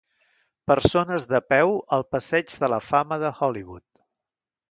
Persones de peu al passeig de la fama de Hollywood.